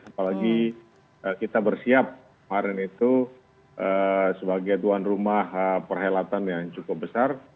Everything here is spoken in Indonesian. apalagi kita bersiap kemarin itu sebagai tuan rumah perhelatan yang cukup besar